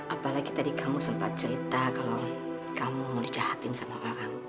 apalagi tadi kamu sempat cerita kalau kamu mau dijahatin sama orang